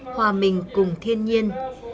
hòa mình cùng thiên nhiên